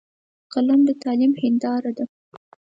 قلم د تعلیم هنداره ده